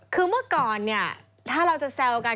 คือเมื่อก่อนเนี่ยถ้าเราจะแซวกัน